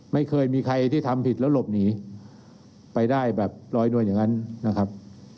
ไม่เคยมีใครที่ทำผิดแล้วหลบหนีไปได้แบบลอยนวลอย่างนั้นนะครับ